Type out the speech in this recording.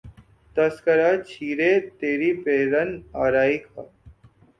تذکرہ چھیڑے تری پیرہن آرائی کا